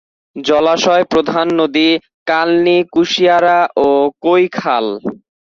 জলাশয় প্রধান নদী: কালনী, কুশিয়ারা ও কৈখাল।